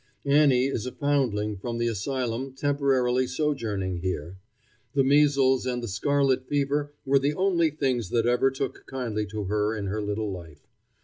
Annie is a foundling from the asylum temporarily sojourning here. The measles and the scarlet fever were the only things that ever took kindly to her in her little life.